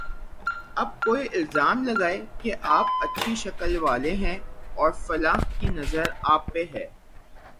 اب کوئی الزام لگائے کہ آپ اچھی شکل والے ہیں اور فلاں کی نظر آپ پہ ہے۔